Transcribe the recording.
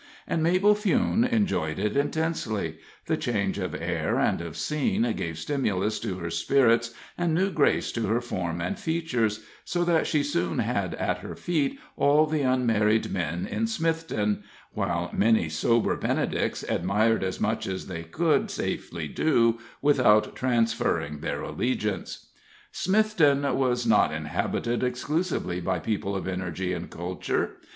And Mabel Fewne enjoyed it intensely; the change of air and of scene gave stimulus to her spirits and new grace to her form and features, so that she soon had at her feet all the unmarried men in Smithton, while many sober Benedicts admired as much as they could safely do without transferring their allegiance. Smithton was not inhabited exclusively by people of energy and culture.